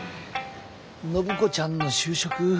暢子ちゃんの就職。